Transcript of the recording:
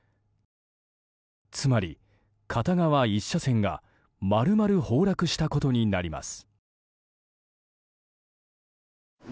つまり、片側１車線が丸々崩落したことになります。